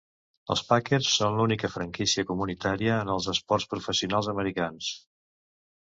Els Packers són l'única franquícia comunitària en els esports professionals americans.